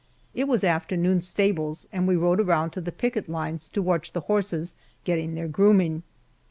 It was afternoon stables and we rode around to the picket lines to watch the horses getting their grooming.